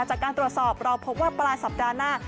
จากการตรวจสอบเราพบว่าปลายสัปดาห์หน้า